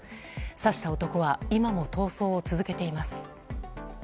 刺した男は今も逃走を続けています。